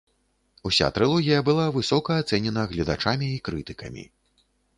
Уся трылогія была высока ацэнена гледачамі і крытыкамі.